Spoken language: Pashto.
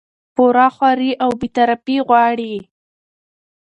پوره خواري او بې طرفي غواړي